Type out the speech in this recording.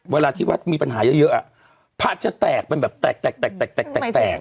เวลาที่วัดมีปัญหาเยอะเยอะอ่ะผ้าจะแตกเป็นแบบแตกแตกแตกแตกแตกแตกแตก